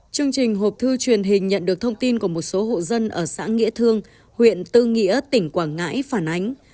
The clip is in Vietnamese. chương trình hộp thư truyền hình nhận được thông tin của một số hộ dân ở xã nghĩa thương huyện tư nghĩa tỉnh quảng ngãi phản ánh